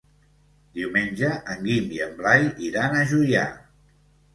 Diumenge en Guim i en Blai iran a Juià.